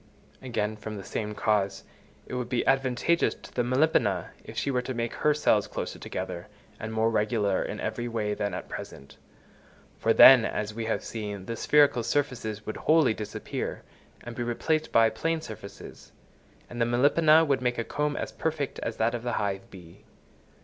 Again, from the same cause, it would be advantageous to the Melipona, if she were to make her cells closer together, and more regular in every way than at present; for then, as we have seen, the spherical surfaces would wholly disappear and be replaced by plane surfaces; and the Melipona would make a comb as perfect as that of the hive bee.